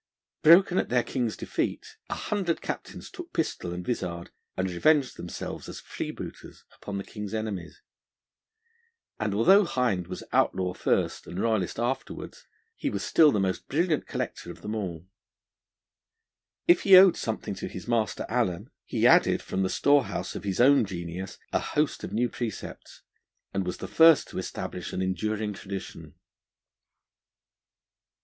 Broken at their King's defeat, a hundred captains took pistol and vizard, and revenged themselves as freebooters upon the King's enemies. And though Hind was outlaw first and royalist afterwards, he was still the most brilliant collector of them all. If he owed something to his master, Allen, he added from the storehouse of his own genius a host of new precepts, and was the first to establish an enduring tradition.